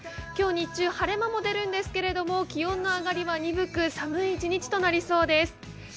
今日日中、晴れ間も出るんですが気温の上がりは鈍く、寒い一日となりそうです。